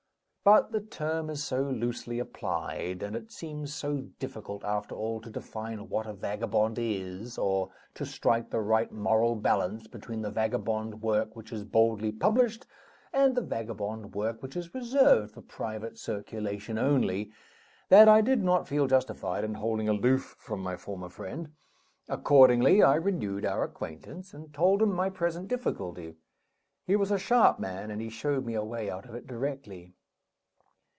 But the term is so loosely applied, and it seems so difficult, after all, to define what a vagabond is, or to strike the right moral balance between the vagabond work which is boldly published, and the vagabond work which is reserved for private circulation only, that I did not feel justified in holding aloof from my former friend. Accordingly, I renewed our acquaintance, and told him my present difficulty. He was a sharp man, and he showed me a way out of it directly.